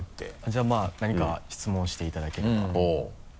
じゃあまぁ何か質問していただければ。